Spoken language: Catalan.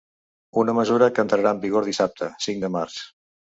Una mesura que entrarà en vigor dissabte, cinc de març.